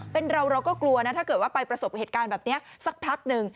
เป็นเราเราก็กลัวนะถ้าเกิดว่าไปประสบเหตุการณ์แบบนี้สักพักหนึ่ง